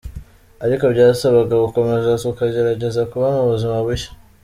Ariko byasabaga gukomeza, tukagerageza kuba mu buzima bushya.